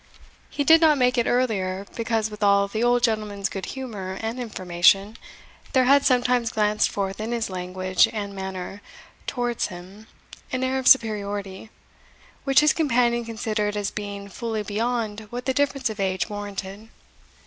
He did not make it earlier, because, with all the old gentleman's good humour and information, there had sometimes glanced forth in his language and manner towards him an air of superiority, which his companion considered as being fully beyond what the difference of age warranted.